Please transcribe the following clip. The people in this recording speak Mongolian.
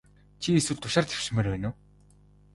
Чи эсвэл тушаал дэвшмээр байна уу?